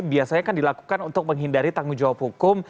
biasanya kan dilakukan untuk menghindari tanggung jawabnya